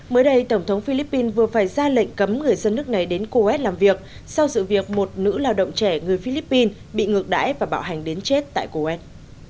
mới đây tổng thống philippines vừa phải ra lệnh cấm người dân nước này đến coes làm việc sau sự việc một nữ lao động trẻ người philippines bị ngược đãi và bạo hành đến chết tại coes